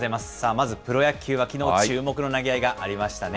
まずプロ野球はきのう注目の投げ合いがありましたね。